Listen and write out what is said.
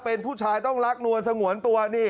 เป็นผู้ชายต้องรักนวลสงวนตัวนี่